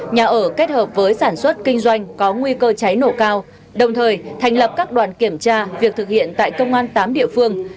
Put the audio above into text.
nhà ở kết hợp với sản xuất kinh doanh có nguy cơ cháy nổ cao đồng thời thành lập các đoàn kiểm tra việc thực hiện tại công an tám địa phương